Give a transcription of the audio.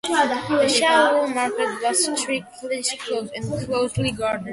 The shawl wool market was strictly closed and closely guarded.